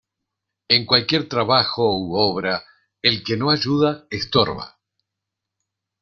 En cualquier trabajo u obra, el que no ayuda estorba.